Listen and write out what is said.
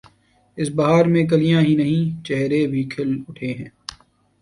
اس بہار میں کلیاں ہی نہیں، چہرے بھی کھل اٹھے ہیں۔